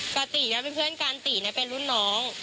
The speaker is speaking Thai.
กะตีนี่เป็นเพื่อนกันตีนี่เป็นรุ่นน้อง